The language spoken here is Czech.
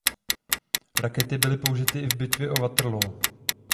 Rakety byly použity i v bitvě u Waterloo.